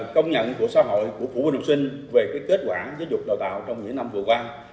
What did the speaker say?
công nhận của xã hội của phủ văn học sinh về cái kết quả giáo dục đào tạo trong những năm vừa qua